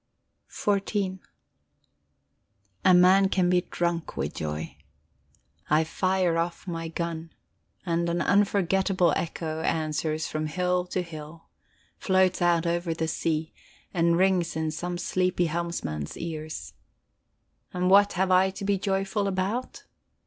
XIV A man can be drunk with joy. I fire off my gun, and an unforgettable echo answers from hill to hill, floats out over the sea and rings in some sleepy helmsman's ears. And what have I to be joyful about?